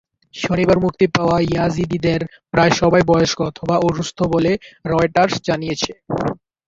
শনিবার মুক্তি পাওয়া ইয়াজিদিদের প্রায় সবাই বয়স্ক অথবা অসুস্থ বলে রয়টার্স জানিয়েছে।